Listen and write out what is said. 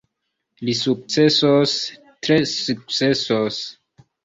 Li sukcesos, tre sukcesos.